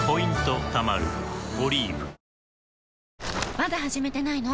まだ始めてないの？